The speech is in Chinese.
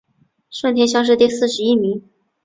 顺天乡试第四十一名。